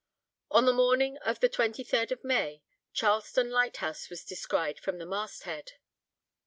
On the morning of the 23d May, Charleston light house was descried from the mast head.